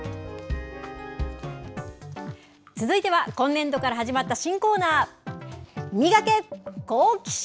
続いては、今年度から始まった新コーナー、ミガケ、好奇心！